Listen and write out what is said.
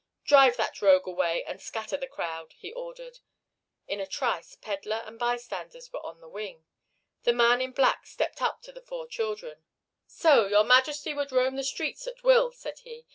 "Drive that rogue away, and scatter the crowd!" he ordered. In a trice pedler and bystanders were on the wing. The man in black stepped up to the four children. "So your Majesty would roam the streets at will?" said he.